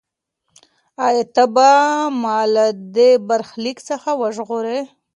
ایا ته به ما له دې برخلیک څخه وژغورې؟